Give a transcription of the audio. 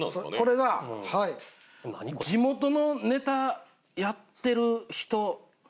これが「地元のネタやってる人」。